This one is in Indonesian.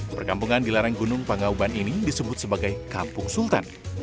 perkampungan di lereng gunung pangauban ini disebut sebagai kampung sultan